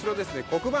黒板